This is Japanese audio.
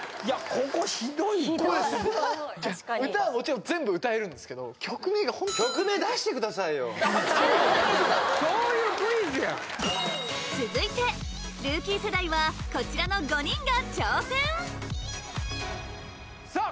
ここひどいなここです歌はもちろん全部歌えるんですけどそういうクイズや続いてルーキー世代はこちらの５人が挑戦さあ